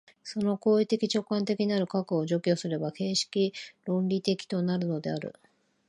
その行為的直観的なる核を除去すれば形式論理的となるのである。